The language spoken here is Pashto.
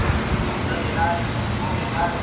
مثبت لیدلوری انسان له خپګان څخه ژغوري.